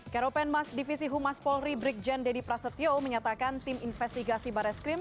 kero penmas divisi humas polri brigjen deddy prasetyo menyatakan tim investigasi bareskrim